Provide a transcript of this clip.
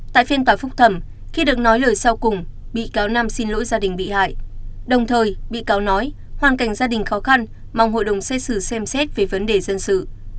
tại phiên tòa phúc thẩm khi được nói lời sau cùng bị cáo nam xin lỗi gia đình bị hại đồng thời bị cáo nói hoàn cảnh gia đình khó khăn mong hội đồng xét xử xem xét về vấn đề dân sự